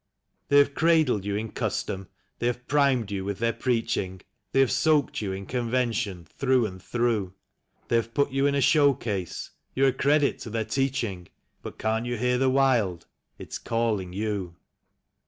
They have cradled you in custom, they have primed you with their preaching. They have soaked you in convention through and through ; They have put you in a showcase; 3'ou're a credit to their teaching — But can't you hear the wild ?— it's calling you.